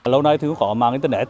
lâu nay thì cũng khó mang internet